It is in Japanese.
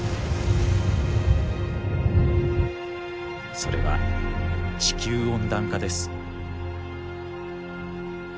それは地球温暖化です。